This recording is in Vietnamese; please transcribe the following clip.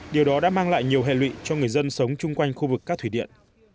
điều đó đã mang lại nhiều hệ lụy cho người dân sống chung quanh khu vực các thủy điện